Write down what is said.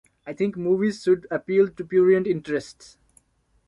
I think movies should appeal to prurient interests.